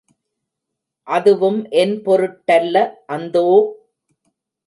அதுவும் என் பொருட்டல்ல அந்தோ!